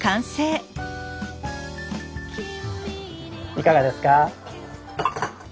いかがですか？